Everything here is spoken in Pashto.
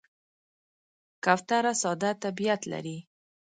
کوتره ساده طبیعت لري.